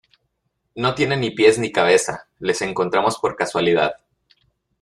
no tiene ni pies ni cabeza. les encontramos por casualidad .